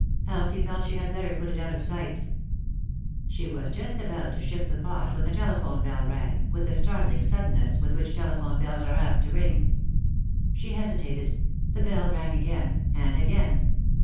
Elsie felt she had better put it out of sight She was just about to shift the pot when the telephone bell rang, with the startling suddenness with which telephone bells are apt to ring. She hesitated ; the bell rang again, and again.